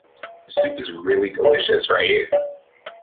This soup is really delicious, right?